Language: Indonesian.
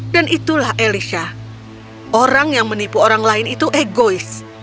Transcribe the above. dan itulah elisha orang yang menipu orang lain itu egois